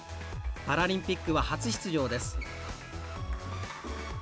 パラリンピックは初出場です。